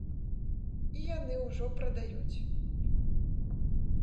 І яны ўжо прадаюць.